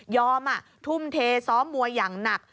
ทุ่มเทซ้อมมวยอย่างหนัก